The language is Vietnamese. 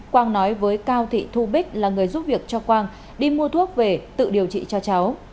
quang nói với cao thị thu bích là người giúp việc cho quang đi mua thuốc về tự điều trị cho cháu